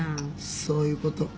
そういうこと。